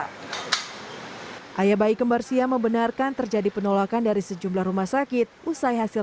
hai ayah bayi kembar sya membenarkan terjadi penolakan dari sejumlah rumah sakit usai hasil